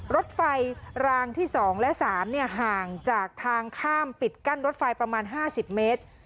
รถไฟรางที่๒และ๓ห่างจากทางข้ามปิดกั้นรถไฟประมาณ๕๐เมตร